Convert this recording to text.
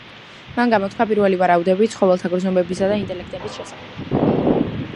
მან გამოთქვა პირველი ვარაუდები ცხოველთა გრძნობებისა და ინტელექტის შესახებ.